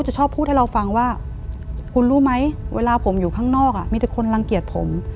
จะชอบพูดให้เราฟังว่าคุณรู้ไหมเวลาผมอยู่ข้างนอกมีแต่คนรังเกียจผม